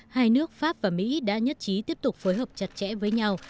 hai nước pháp và mỹ đã nhất trí tiếp tục phối hợp chặt chẽ với nhau